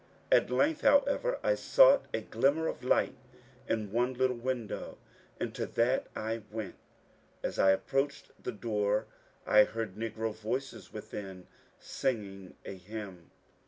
At length, however, I saw a glimmer of light in one little window, and to that I went. As I approached the door I heard negro voices within singing a hymn.